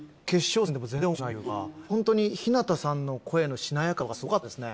ホントにひなたさんの声のしなやかさはすごかったですね。